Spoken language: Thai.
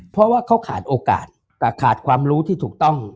เพราะว่าเขาขาดโอกาสขาดความรู้ที่ถูกต้อง